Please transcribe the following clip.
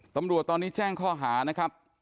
ตำรวจตอนนี้แจ้งข้อหานะครับ